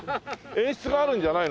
演出があるんじゃないの？